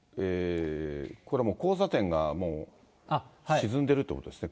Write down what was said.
これ交差点がもう沈んでるってことですね。